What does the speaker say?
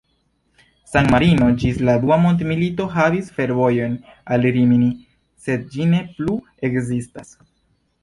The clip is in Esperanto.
San-Marino ĝis la Dua mondmilito havis fervojon al Rimini, sed ĝi ne plu ekzistas.